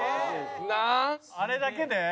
あれだけで？